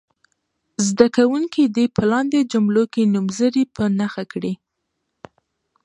زده کوونکي دې په لاندې جملو کې نومځري په نښه کړي.